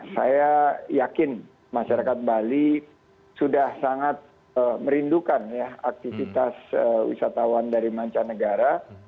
saya yakin masyarakat bali sudah sangat merindukan aktivitas wisatawan dari mancanegara